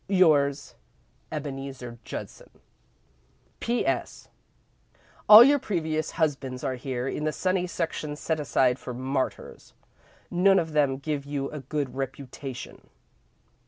"Yours, "Ebeneezer Judson. "P.S. All of your previous husbands are here, in the sunny section set aside for martyrs. None of them give you a good reputation.